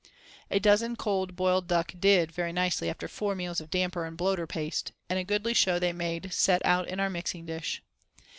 A dozen cold boiled duck "did" very nicely after four meals of damper and bloater paste; and a goodly show they made set out in our mixing dish.